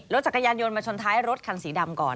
รถจักรยานยนต์มาชนท้ายรถคันสีดำก่อน